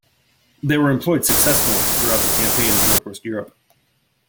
They were employed successfully throughout the campaign in North-West Europe.